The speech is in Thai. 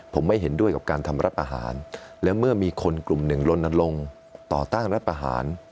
ผมไม่เห็นด้วยกับการทำรัฐอาหารและเมื่อมีคนกลุ่มหนึ่งลนลงต่อต้านรัฐประหาร